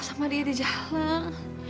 sama dia di jalan